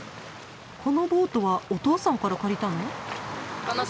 このボートはお父さんから借りたの？